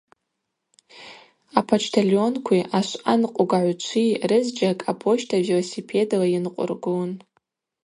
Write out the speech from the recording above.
Апочтальонкви ашвъанкъвгагӏвчви рызджьакӏ апочта велосипедла йынкъвыргун.